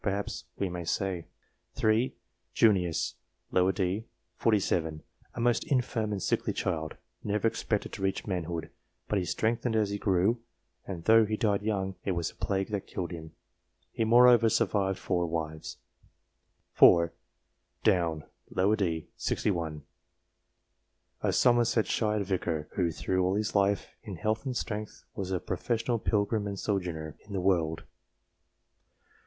Perhaps we may say 3. Junius, d. set. 47, a most infirm and sickly child, never expected to reach manhood, but he strengthened as he grew, and though he died young, it was the plague that killed him ; he more over survived four wives. 4. Downe, d. set. 61, a Somerset shire vicar, who through all his life, " in health and strength, was a professed pilgrim and sojourner" in the world.